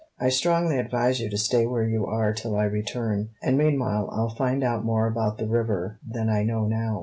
I strongly advise you to stay where you are till I return, and meanwhile I'll find out more about the river than I know now."